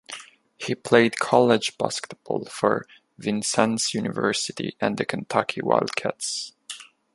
He played college basketball for Vincennes University and the Kentucky Wildcats.